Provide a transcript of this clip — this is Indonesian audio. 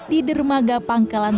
di dermaga panggilan